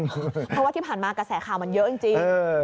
เพราะว่าที่ผ่านมากระแสข่าวมันเยอะจริง